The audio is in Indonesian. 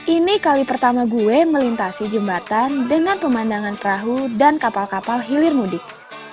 ini kali pertama gue melintasi jembatan dengan pemandangan perahu dan kapal kapal hilir mudik